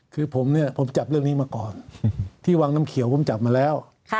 คือผมเนี่ยผมจับเรื่องนี้มาก่อนที่วังน้ำเขียวผมจับมาแล้ว